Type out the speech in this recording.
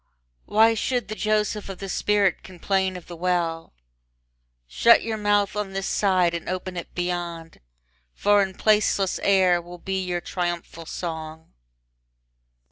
Why should the Joseph of the spirit complain of the well? Shut your mouth on this side and open it beyond, For in placeless air will be your triumphal song.